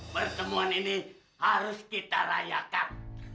pertemuan ini harus kita rayakan